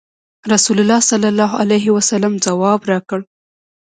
رسول الله صلی الله علیه وسلم ځواب راکړ.